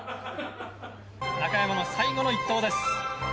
中山の最後の一投です。